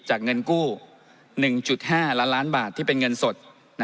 จากเงินกู้นะครับ๑๕ล้านล้านบาทที่เป็นเงินสด